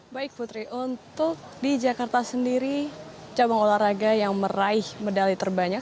baik putri untuk di jakarta sendiri cabang olahraga yang meraih medali terbanyak